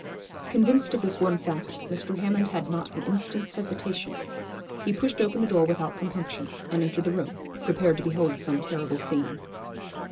Convinced of this one fact, Mr. Hammond had not an instant's hesitation. He pushed open the door without compunction, and entered the room, prepared to behold some terrible scene.